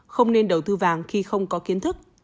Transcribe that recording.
không nên đầu tư vàng khi không có kiến thức